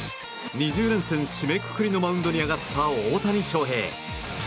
２０連戦締めくくりのマウンドに上がった大谷翔平。